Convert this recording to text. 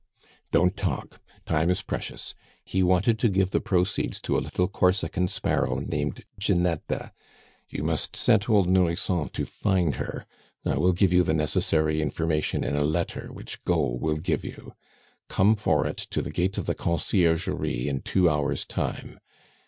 "Don't talk. Time is precious. He wanted to give the proceeds to a little Corsican sparrow named Ginetta. You must set old Nourrisson to find her; I will give you the necessary information in a letter which Gault will give you. Come for it to the gate of the Conciergerie in two hours' time.